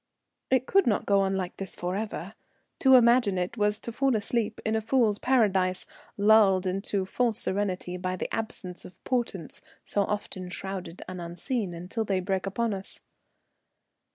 It could not go on like this for ever. To imagine it was to fall asleep in a fool's paradise, lulled into false serenity by the absence of portents so often shrouded and unseen until they break upon us.